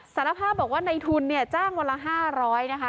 สารภาพบอกว่าในทุนจ้างประมาณ๕๐๐ฯนะคะ